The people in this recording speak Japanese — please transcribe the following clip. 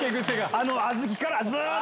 あの小豆からずっと。